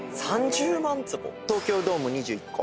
東京ドーム２１個。